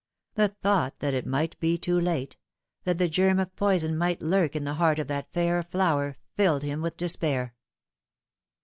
The thought that it might be too late, that the germ of poison might lurk in the heart of that fair flower, filled him with despair.